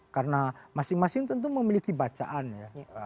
karena masing masing tentu memiliki bacaan ya